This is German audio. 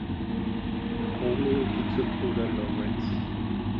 Romeo geht zu Bruder Lawrence.